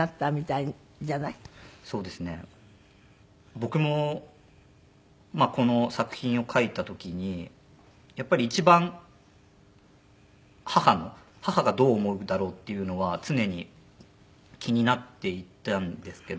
僕もこの作品を書いた時にやっぱり一番母の母がどう思うだろう？っていうのは常に気になっていたんですけど。